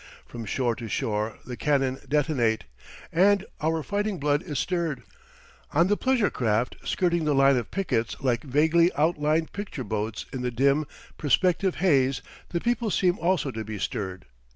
From shore to shore the cannon detonate and our fighting blood is stirred. On the pleasure craft skirting the line of pickets like vaguely outlined picture boats in the dim, perspective haze, the people seem also to be stirred.